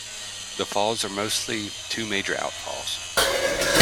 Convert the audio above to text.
The falls are mostly two major outfalls.